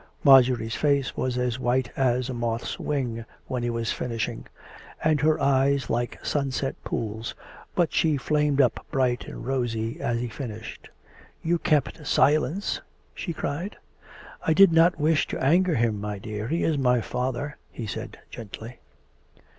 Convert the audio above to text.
Marjorie's face was as white as a moth's wing when he was finishing, and her eyes like sunset pools ; but she flamed up bright and rosy as he finished. " You kept silence !" she cried. " I did not wish to anger him, my dear; he is my father," he said gently.